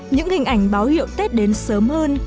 những hình ảnh báo hiệu tết đến sớm hơn